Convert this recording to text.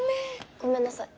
ごめんなさい。